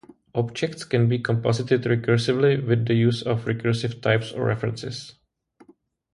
Objects can be composited recursively with the use of recursive types or references.